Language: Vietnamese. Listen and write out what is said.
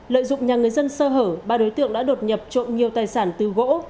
lợi dụng nhà người dân sơ hở ba đối tượng đã đột nhập trộm nhiều tài sản từ gỗ